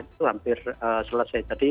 itu hampir selesai